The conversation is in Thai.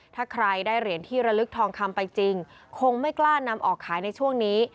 ถ้าใครได้เหรียญที่ระลึกทองคำไปจริงคงไม่กล้านำออกขายในช่วงนี้